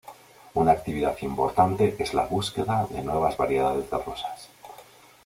Una actividad importante es la búsqueda de nuevas variedades de rosas.